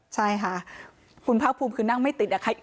ใช่ค่ะคุณภาคภูมิคือนั่งไม่ติดนะคะ